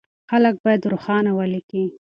خلک بايد روښانه وليکي.